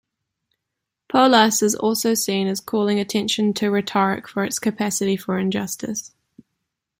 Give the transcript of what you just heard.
Polus is also seen as calling attention to rhetoric for its capacity for injustice.